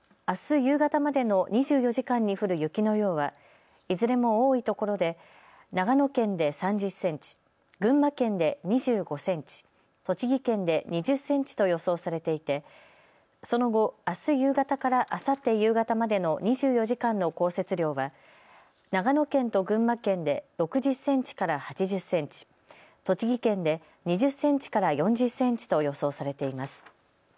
あす夕方までの２４時間に降る雪の量はいずれも多いところで長野県で３０センチ、群馬県で２５センチ、栃木県で２０センチと予想されていてその後、あす夕方からあさって夕方までの２４時間の降雪量は長野県と群馬県で６０センチから８０センチ、栃木県で２０センチから４０センチと予想されています。